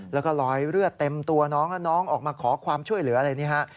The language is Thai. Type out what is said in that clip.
แล้วก็ลอยเลือดเต็มตัวน้องแล้วน้องออกมาขอความช่วยเหลืออะไรนี่ฮะ